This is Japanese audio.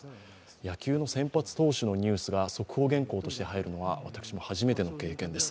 野球の先発投手のニュースが速報原稿として入るのは私も初めての経験です。